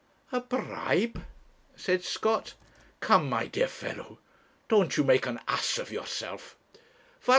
'A bribe!' said Scott. 'Come, my dear fellow, don't you make an ass of yourself.